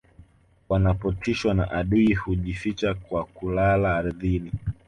wanapotishwa na adui hujificha kwa kulala ardhini